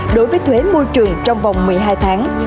đối với thuế môi trường trong vòng một mươi hai tháng